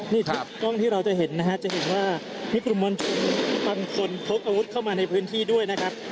นี่คือกล้องที่เราจะเห็นนะฮะจะเห็นว่ามีกลุ่มมวลชนบางคนพกอาวุธเข้ามาในพื้นที่ด้วยนะครับ